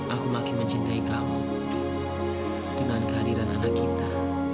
aku makin mencintai kamu dengan kehadiran anak kita